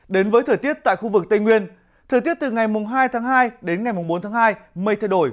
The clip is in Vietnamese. đến với thời tiết tại khu vực tây nguyên thời tiết từ ngày hai tháng hai đến ngày bốn tháng hai mây thay đổi